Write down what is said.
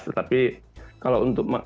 tetapi kalau untuk